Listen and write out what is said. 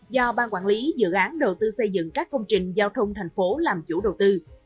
do ban quản lý dự án đầu tư xây dựng các công trình giao thông thành phố làm chủ đầu tư